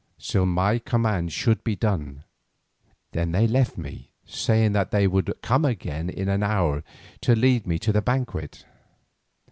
Still my command should be done. Then they left me, saying that they would come again in an hour to lead me to the banquet.